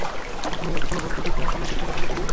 অনুবাদে কোনো ভুলত্রুটি ক্ষমাসুলভ দৃষ্টিতে দেখবেন আশা করি।